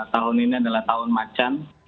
tahun ini adalah tahun macan